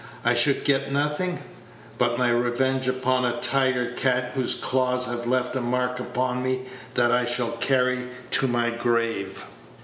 I should get nothing but my revenge upon a tiger cat whose claws have left a mark upon me that I shall carry to my grave."